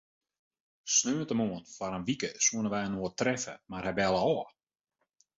Sneontemoarn foar in wike soene wy inoar treffe, mar hy belle ôf.